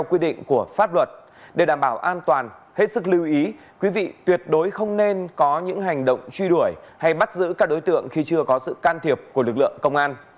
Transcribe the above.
quý vị tuyệt đối không nên có những hành động truy đuổi hay bắt giữ các đối tượng khi chưa có sự can thiệp của lực lượng công an